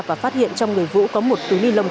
và phát hiện trong người vũ có một túi ni lông